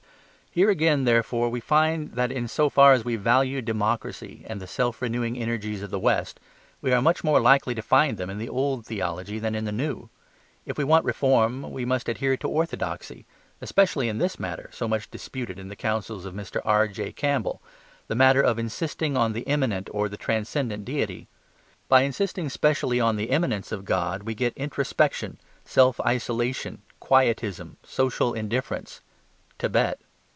Here again, therefore, we find that in so far as we value democracy and the self renewing energies of the west, we are much more likely to find them in the old theology than the new. If we want reform, we must adhere to orthodoxy: especially in this matter (so much disputed in the counsels of Mr. R.J.Campbell), the matter of insisting on the immanent or the transcendent deity. By insisting specially on the immanence of God we get introspection, self isolation, quietism, social indifference Tibet.